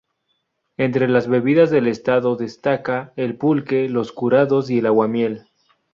Entre las bebidas del estado destaca el pulque, los curados y el aguamiel.